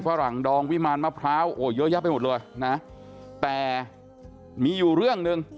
ฝรั่งดองวิมารมะพร้าวโอ้เยอะแยะไปหมดเลยนะแต่มีอยู่เรื่องหนึ่ง